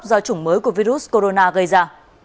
do chủng mới của virus corona gây ra